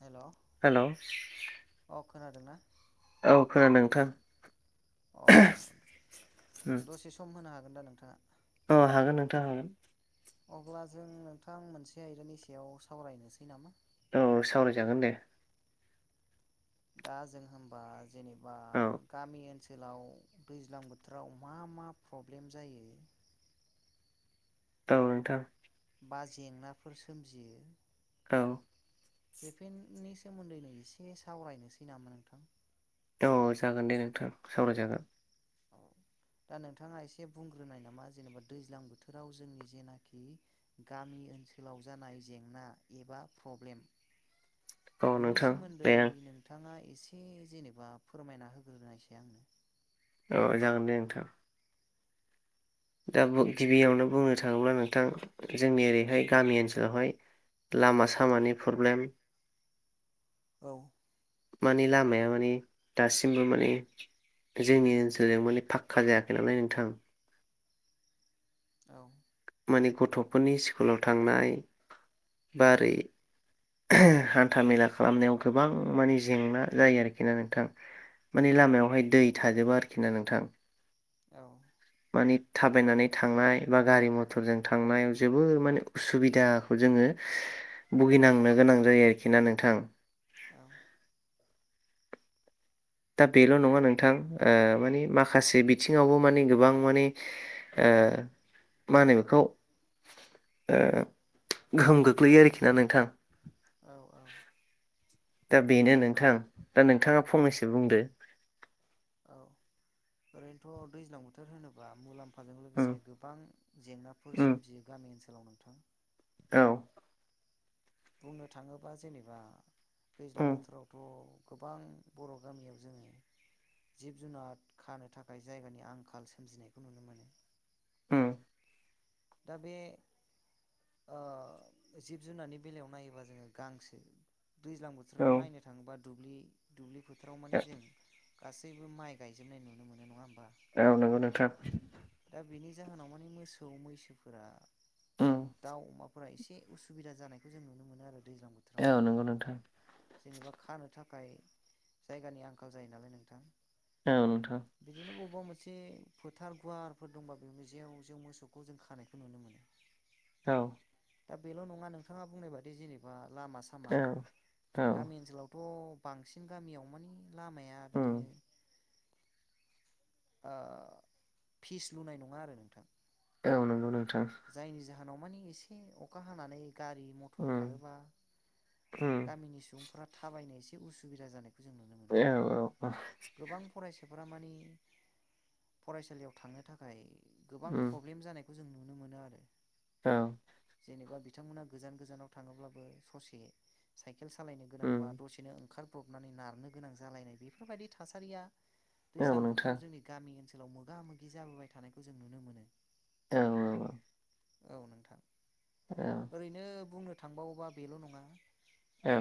हेल' hello औ अ खोनादोंना खोनादों नोंथां। अ दसे सम होनो हागोन दा नोंथाङा? अ हागोन नोंथाङा हागोन। अब्ला जों नोंथां मोनसे आयदानि सायाव सावरायनोसै नामा। औ सावरायजागोन दे। दा जों होमबा जेनेबा औ गामि ओनसोल जेलाव दैज्लां बोथोराव मा मा प्रब्लेम जायो। औ नोंथां। बा जेंनाफोर सोमजियो औ। बेफोरनि सोमोन्दैनो एसे सावरायनोसै नामा नोंथां? औ जागोन दे नोंथां सावरायजागोन औ। दा नोंथाङा एसे बुंग्रोनाय नामा जेनेबा दैज्लां बोथोराव जोंनि जेनाखि गामि ओनसोलाव जानाय जेंना एबा प्रब्लेम औ बेनि नोंथां दे सोमोन्दै आं नोंथाङा एसे जेनेबा फोरमायना होग्रोनायसै आंनो औ जागोन दे नोंथां। दा गिबियावनो बुंनो थाङोब्ला नोंथां जोंनि ओरैहाय गामि ओनसोलावहाय लामा सामानि प्रब्लेम औ। माने लामाया माने दासिमबो माने जोंनि ओनसोलजों माने फाक्का जायाखै नालाय नोंथां। औ। माने गथ'फोरनि स्कुलाव थांनाय बा ओरै हान्था मेला खालामनायाव गोबां माने जेंना जायो आरोखि ना नोंथां। माने लामायावहाय दै थाजोबो आरोखि ना नोंथां। औ। बे थाबायनानै थांनाय बा गारि मथरजों थांनायाव जोबोर माने उसुबिदाखौ जोङो भुगिनांनो गोनां जायो आरोखि ना नोंथां। औ। दा बेल' नङा नोंथां माने माखासे बिथिङावबो माने गोबां माने मा होनो बेखौ ओ गोहोम गोख्लैयो आरोखि ना नोंथां। औ औ दा बेनो नोंथां दा नोंथाङा फंनैसो बुंदो। औ ओरैनोथ' दैज्लां बोथोर होनोब्ला मुलाम्फा फाजों उम लोगोसे गोबां जेंनाफोर उम सोमजियो गामि ओनसोलाव नोंथां। औ। बुंनो थाङोबा जेनेबा दैज्लां उम बोथोरावथ' गोबां बर' गामियाव जोङो जिब जुनार खानो थाखाय जायगानि आंखाल सोमजिनायखौ नुनो मोनो। उम। दा बे ओ जिब जुनारनि बेलायाव नायोबा जोङो गांसो दैज्लां औ बोथोराव नायनो थाङोबा दुब्लि दुब्लि बोथोराव मानि जों गासैबो माइ गायजोबनाय नुनो मोनो नङा होमबा। औ नंगौ नोंथां। दा बेनि जाहोनाव माने मोसौ मैसोफोरा उम बा दाउ अमा फोरा एसे उसुबिदा जानायखौ जों नुनो मोनो। आरो दैज्लां बोथोराव औ नंगौ नोंथां जेनेबा खानो थाब थाखाय जायगानि आंखाल जायो नालाय नोंथां। औ नोंथां। एसे फोथार गुवारफोर दंबा बे जेव जेव मोसौखौ जों खानायखौ नुनो मोनो। औ। दा बेल' नङा नोंथाङा बुंनाय बादि जेनेबा लामा सामा औ औ गामि ओनसोलाव थ' बांसिन गामियाव मानि लामाया उम बिदिनो अ फिस लुनाय नङा आरो नोंथां। औ नोंगौ नों जायनि जाहोनाव माने एसे अखा हानानै गारि-मटर उम खारोबा उम गामिनि सुबुंफोरा थाबायनो एसे उसुबिदा जानाय ए औ औ हरामाने फरायसालियाव थांनो थाखाय गोबां उम प्रब्लेम जानायखौ जों नुनो मोनो आरो औ जेनेबा बिथांमोना गोजान गोजानाव थाङोब्लाबो ससे साइ केल सालायनो उम गोनांबा दसेनो ओंखारब्रबनानै नारनो गोनां जालायनाय बेफोरबायदि थासारिया औ दैज्लां नोंथां बोथोराव जोंनि गामि ओनसोलाव मोगा-मोगि जाबोबाय थानायखौ जों नुनो मोनो। औ औ औ औ नोंथां ओरैनो बुंनो थांबावोबा बेल' नङा औ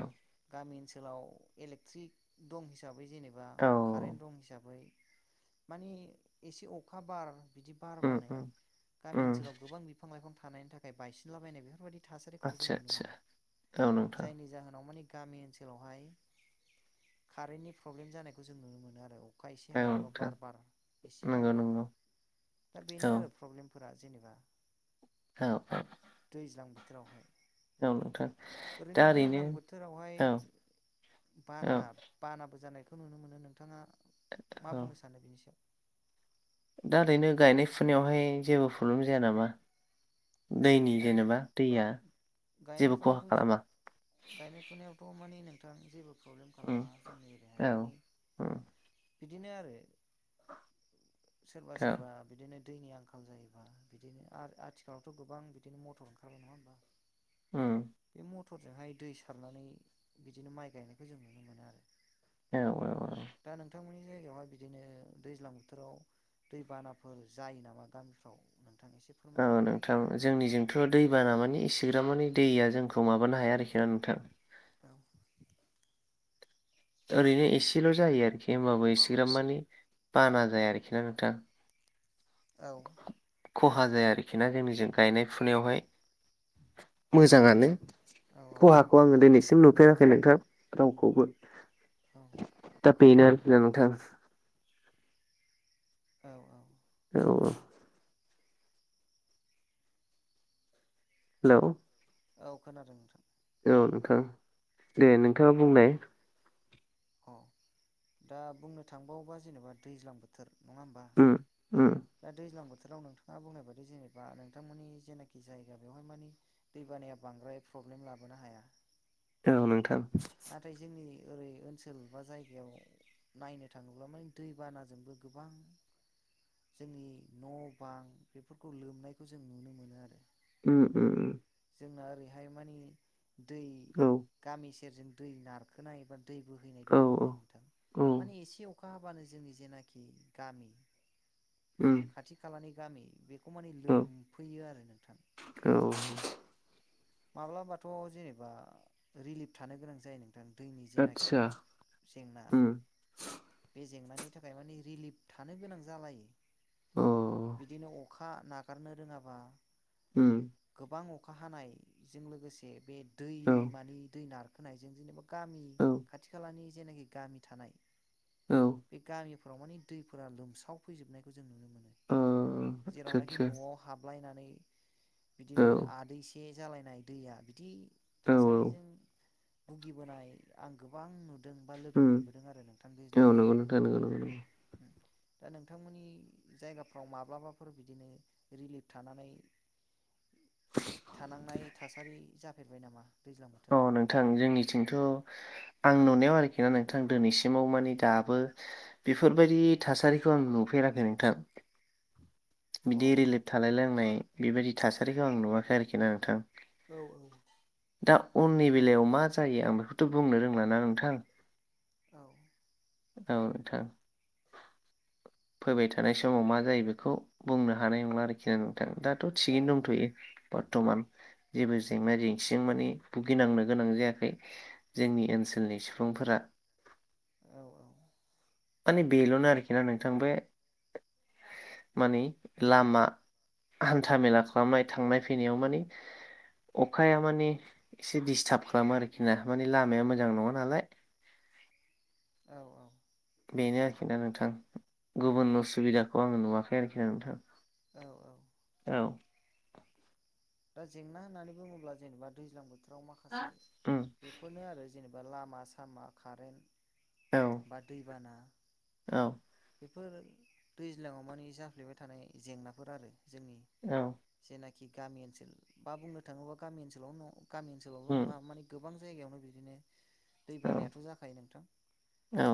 गामि ओनसोलाव इलेक्ट्रिक दं हिसाबै जेनेबा औ कारेन्ट दं हिसाबै माने एसे अखा-बार बिदि उम बारबानो उम गामि उम ओनसोलाव गोबां बिफां-लाइफां थानायनि थाखाय बायसिनलाबायनाय बेफोरबायदि थासारिखौबो जों आदसा नुनो आदसा मोनो। औ नोंथां जायनि जाहोनाव माने गामि ओनसोलावहाय कारेन्टनि प्रब्लेम जानायखौ जों नुनो मोनो आरो अखा एसे औ हाबा बा नोंथां बार बार एसे बार नंगौ बा नंगौ दा बेनो औ आरो प्रब्लेम फोरा जेनेबा औ औ दैज्लां बोथोरावहाय औ नोंथां। ओरैनो दैज्लां बोथोरावहाय औ औ बाना बानाबो जानाय बखौ नुनो मोनो। नोंथाङा मा औ बुंनो सानो बिनि सायाव? दा ओरैनो गायनाय-फुनायावहाय जेबो प्रब्लेम जाया नामा? दैनि सायाव जेनेबा दैया गायनाय जेबो खहा फुनायावथ' खालामा? गायनाय फुनायावथ' माने नोंथां जेबो प्रब्लेम उम खालामा जोंनि औ एरियायाहाय माने उम, बिदिनो आरो सोरबा औ सोरबा बिदिनो दैनि आंखाल जायोबा बिदिनो आरो आथिखालावथ' गोबां बिदिनो मटर ओंखारबाय, नङा होमबा? उम मटर जोंहाय दै सारनानै बिदिनो माइ गायनायखौ जों नुनो मोनो आरो। औ औ औ बे जायगायावहाय बिदिनो दैज्लां बोथोराव दैबानाफोर जायो नामा गामिफ्राव? एसे फोरमायलाय ओ नोंथां जोंनिजों थ' दैबाना माने इसिग्राब मानि दैया जोंखौ माबानो हाया आरोखि आरो ना नोंथां। औ ओरैनो एसेल' जायो आरोखि होमबाबो बाबो एसेग्राब एसे माने बाना जाया आरोखि ना नोंथां। औ खहा जाया आरोखि ना जोंनिजों गायनाय-फुनायावहाय। मोजाङानो औ खहाखौ आङो दिनैसिम नुफेराखै नोंथां रावखौबो औ दा बेनो नोंथां। औ औ औ औ हेलौ औ, खोनादों नोंथां। औ नोंथां, दे नोंथाङा बुंनाय अ दा बुंनो थांबावोबा जेनेबा दैज्लां बोथोर नङा होमबा? उम उम दा दैज्लां बोथोर हालाव नोंथाङा बुंनाय बायदि जेनबा नोंथांमोननि जेनाखि जायगा बेवहाय मानि दैबानाया बांद्राय प्र ब्लेम लाबोनो हाया औ नोंथां नाथाय जोंनि ओरै ओनसोल बा जायगायाव नायनो थाङोब्ला माने दैबानाजोंबो गोबां जोंनि न' बां बेफोरखौ लोमनायखौ जों नुनो मोनो आरो उम उम उम जोंना ओरैहाय मानि दै औ गामि सेरजों दै नारखोनायबा दै बोहैनाय औ दङ नालाय नोंथां औ माने एसे अखा हाबानो जोंनि जेनाखि गामि उम खाथि खालानि गामि बे खमानि औ लोमफैयो आरो नोंथां औ माब्लाबाथ' जेनेबा रिलिफ थानो गोनां जायो नों दैनि जेनाखि आतसा जेंना उम बे जेंनानि थाखाय माने रिलिफ थानो गोनां जालायो अ बिदिनो अखा नागारनो रोङाबा उम गोबां अखा हानायजों लोगोसे बे औ दैमानि दै नार होनायजों जेनेबा गामि औ खाथि खालानि जेनाखि गामि थानाय औ बे गामि फोराव माने दैफोरा लोमसाव फैजोबनायखौ जों नुनो मोनो ओ आतसा जेरावनाखि आतसा न'आव हाबलायनानै बिदिनो औ आदैसे जालायनाय दैया बिदि औ थासारिजों भुगिबोनाय आं गोबां नुदों बा लोगो उम मोनबोदों आरो नोंथां दैज्लां औ नंगौ नोंथां नंगौ नंगौ नंगौ बोथोराव दा नोंथांमोननि जायगाफ्राव माब्लाबाफोर बिदिनो रिलिफ थानानै थानांनाय थासारि जाफेरबाय नामा दैज्लां अ बोथोराव नोंथां जोंनिथिंथ' आं नुनायाव आरोखि ना नोंथां दिनैसिमाव माने दाबो बेफोरबायदि थासारिखौ आं नु फेराखै नोंथां बिदि अ रिलिफ थालाय लांनाय बेबायदि थासारिखौ आं नुवाखै आरोखि ना नोंथां औ औ दा उननि बेलायाव मा जायो आं बेखौथ' बुंनो रोंला ना नोंथां औ औ नोंथां फैबाय थानाय समाव मा जायो बेखौ बुंनो हानाय नंला आरोखि आङो थां दाथ' थिगैनो दंथ'यो बर्थमान जेबो जेंना जेंसिजों माने भुगिनांनो गोनां जायाखै जोंनि ओनसोलनि सुबुंफोरा औ औ माने बेल'नो आरोखि ना नोंथां बे माने लामा हान्था मेला खालामनाय थांनाय फैनायाव माने अखाया माने एसे दिस्थार्ब खालामो आरोखि ना माने लामाया मोजां नङा नालाय औ औ बेनो आरोखि ना नोंथां गुबुन उसुबिदाखौ आङो नुवाखै आरोखि ना नोंथां औ औ दा जेंना होननानै बुङोब्ला जेनेबा दैज्लां बोथोराव माखासे उम बेफोरनो आरो जेनेबा बा लामा सामा औ कारेन्ट बा दैबाना औ बेफोर दैज्लाङाव माने जाफ्लेबाय थानाय जेंनाफोर आरो जोंनि, औ जेना खि गामि ओनसोल। बा बुंनो थाङोबा गामि ओनसोल गामि ओनोलावल' उम नङा माने गोबां जायगायावनो बिदिनो दै औ बानायाथ' जाखायो नोंथां। औ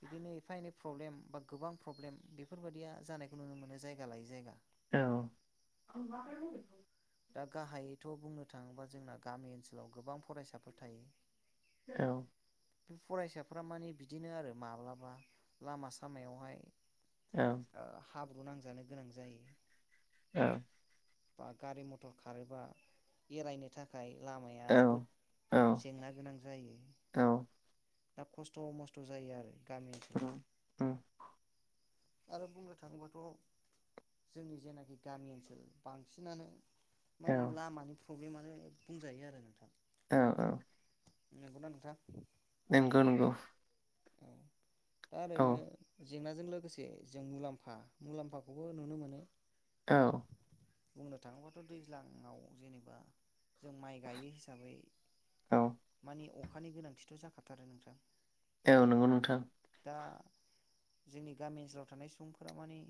बिदिनो, एफा एनै प्रब्लेम बा गोबां प्रब्लेम बेफोरबायदिया जानायखौ नुनो मोनो जायगा लायै जायगा। औ। दा गाहायैथ' बुंनो थाङोबा जोंना गामि ओनसोलाव गोबां फरायसाफोर थायो। औ। फरायसाफ्रा माने बिदिनो आरो माब्लाबा लामा सामायावहाय, औ। ओ हाब्रु नांजानो गोनां जायो। [unintelligible] बा गारि मथर खारोबा एरायनो थाखाय, लामाया जोबोद जेंना गोनां जायो। दा खस्थ' मस्थ' जायो आरो गामि [unintelligible] आरो बुंनो थाङोबाथ', जोंनि जेनाखि गामि ओनसोल बांसिनानो माने लामानि प्रब्लेमानो बुंजायो आरो नोंथां। औ औ। नंगौना नोंथां? नोंगौ नोंगौ। दा ओरैनो जेंनाजों लोगोसे जों मुलाम्फा मुलाम्फाखौबो नुनो मोनो। औ। बुंनो थाङोबाथ' दैज्लाङाव जेनेबा, जों माइ गायो हिसाबै औ माने अखानि गोनांथिथ' जाखाथारो नोंथां। औ नंगौ नोंथां। दा जोंनि गामि ओनसोलाव थानाय सुबुंफोरा माने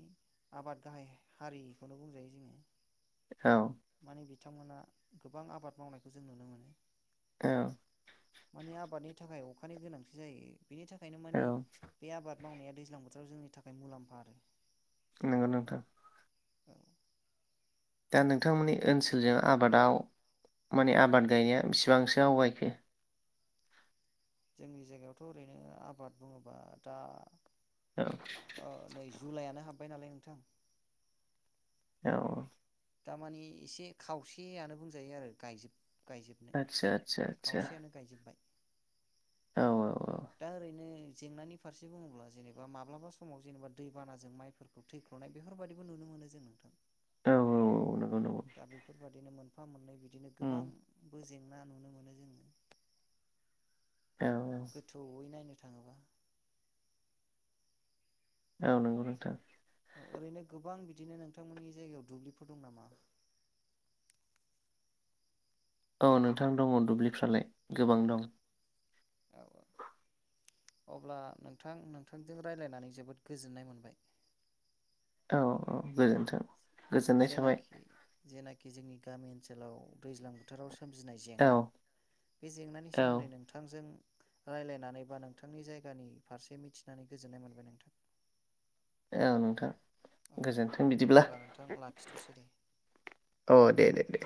आबाद गाहाय हारिखौनो बुंजायो जोङो। औ। माने बिथांमोना गोबां आबाद मावनायखौ जों नुनो मोनो। औ। माने आबादनि थाखाय अखानि गोनांथि जायो। बेनि थाखायनो औ माने बे आबाद मावनाया दैज्लां बोथोराव जोंनि थाखाय मुलाम्फा आरो। नोंगौ नोंथां। [unintelligible] दा नोंथांमोननि ओनसोलजों आबादाव, माने आबाद गायनाया बेसिबांसो आवगायखो? जोंनि जायगायावथ' ओरैनो आबाद बुङोबा दा औ। जुलाइयानो हाबबाय नालाय नोंथां। औ। दामानि एसे खावसेयानो बुंजायो आरो गायजोब गायजोबनाय आदसा आदसा आदसा खावसेयानो गायजोब्बाय। औ औ। दा ओरैनो जेंनानि फारसे बुङोब्ला जेनेबा माब्लाबा समाव जेनेबा दैबानाजों माइफोरखौ थै [unintelligible] नाय बेफोरबायाददिबो नुनो मोनो जों नोंथां। औ औ नंगौ नंगौ दा बेफोरबायदिनो मोन मोनफा मोननै बिदिनो उम, गोबांबो जेंना नुनो मोनो जोङो। औ गोथौैवै नायनो थाङोबा। औ नंगौ नोंथां। ओरैनो गोबां बिदिनो नोंथांमोननि जायगायाव दुब्लिफोर दं नामा? औ नोंथां दङ दुब्लिफ्रालाय गोबां दं। औ अब्ला नोंथां नोंथांजों राय्लायनानै जोबोद गोजोननाय मोनबाय। औ औ गोजोन्थों। गोजोननाय थाबाय जेनाखि जेनाखि जोंनि गामि ओनसोलाव दैज्लां बोथोराव। सोमजिनाय औ जेंना बे जेंनानि औ सोमोन्दै नोंथांजों रायलायनानै बा नोंथांनि जायगानि फारसे मिथिनानै गोजोननाय मोनबाय नोंथां। औ नोंथां। औ गोजोन्थों बिदिब्ला अब्ला नोंथां लाखिथ'सै दे। अ दे दे दे।